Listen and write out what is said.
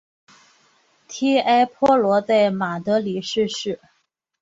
提埃坡罗在马德里逝世。